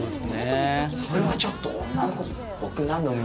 それがちょっと。